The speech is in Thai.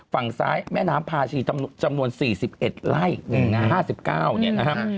ฝั่งซ้ายแม่น้ำพาชีจำนวน๔๑ไร่๕๙เนี่ยนะครับ